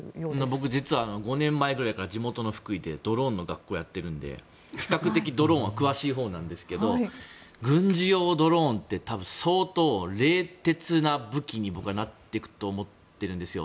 僕、実は５年前ぐらいから地元の福井でドローンの学校をやっているんで比較的ドローンは詳しいほうなんですけど軍事用ドローンって相当冷徹な武器になっていくと思っているんですよ。